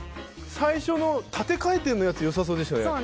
最初の縦回転のやつ、良さそうでしたよね。